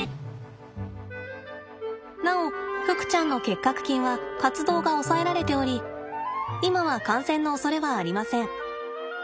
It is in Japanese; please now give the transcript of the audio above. なおふくちゃんの結核菌は活動が抑えられており今は感染のおそれはありません。